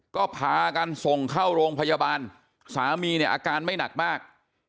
ก็พากันส่งเข้าโรงพยาบาลสามีเนี่ยอาการไม่หนักมาก